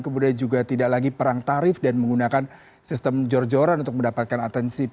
kemudian juga tidak lagi perang tarif dan menggunakan sistem jor joran untuk mendapatkan atensi